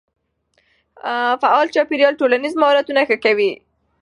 فعال چاپېريال ټولنیز مهارتونه ښه کوي.